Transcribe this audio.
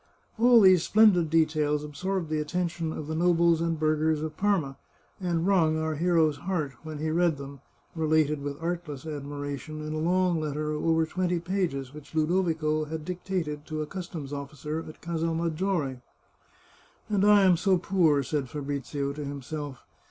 All these splendid details absorbed the attention of the nobles and burghers of Parma, and wrung our hero's heart, when he read them, related with artless admiration, in a long letter of over twenty pages which Ludovico had dictated to a customs officer at Casal Maggiore. " And I am so poor !" said Fabrizio to himself.